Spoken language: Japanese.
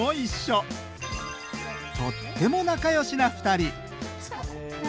とっても仲良しな２人。